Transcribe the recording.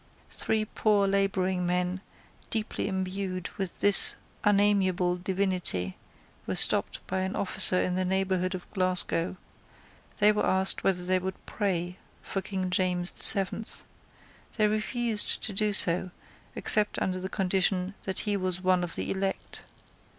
Three poor labouring men, deeply imbued with this unamiable divinity, were stopped by an officer in the neighbourhood of Glasgow. They were asked whether they would pray for King James the Seventh. They refused to do so except under the condition that he was one of the elect.